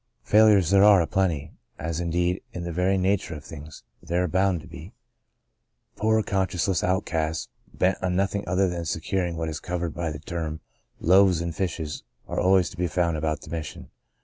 Failures there are aplenty — as, indeed, in the very nature of things, there are bound to be. Poor, con scienceless outcasts, bent on nothing other than securing what is covered by the term "loaves and fishes," are always to be found about the Mission.